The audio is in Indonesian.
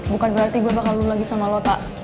bukan berarti gue bakal lulagi sama lo tak